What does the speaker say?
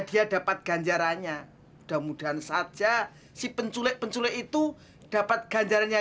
sampai jumpa di video selanjutnya